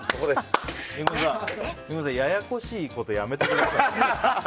リンゴさん、ややこしいことやめてください。